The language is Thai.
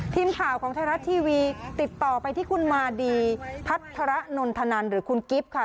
ทีมข่าวของไทยรัฐทีวีติดต่อไปที่คุณมาดีพัฒระนนทนันหรือคุณกิฟต์ค่ะ